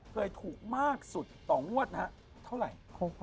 เคยถูกมากสุดต่องวัดนั้นเอ้ยเท่าไหร่